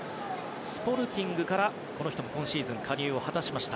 スポルティングから今シーズン加入を果たしました。